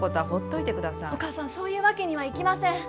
お母さんそういうわけにはいきません。